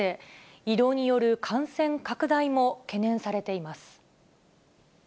移動による感染拡大も懸念されています。